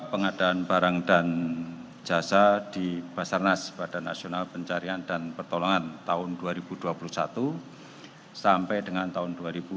pengadaan barang dan jasa di basarnas badan nasional pencarian dan pertolongan tahun dua ribu dua puluh satu sampai dengan tahun dua ribu dua puluh